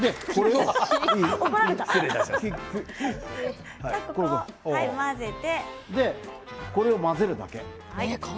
これを混ぜるだけ。